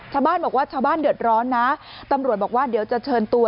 ชาวบ้านบอกว่าชาวบ้านเดือดร้อนนะตำรวจบอกว่าเดี๋ยวจะเชิญตัว